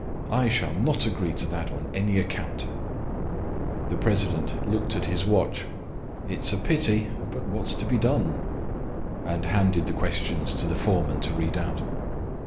I, shall not agree to that on any account." The president looked at his watch. "It is a pity, but what's to be done?" and handed the questions to the foreman to read out.